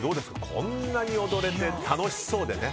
こんなに踊れて楽しそうでね。